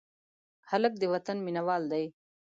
هلک د وطن مینه وال دی.